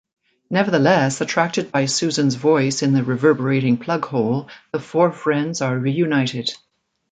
Nevertheless, attracted by Susan's voice in the reverberating plughole, the four friends are reunited.